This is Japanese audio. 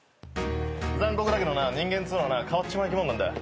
残酷だけどな人間っつうのはな変わっちまう生きもんなんだよ。